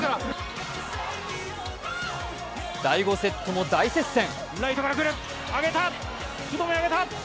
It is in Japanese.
第５セットも大接戦。